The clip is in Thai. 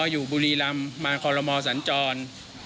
อ๋ออยู่บุรีรำมาคลมศ์ศัลจร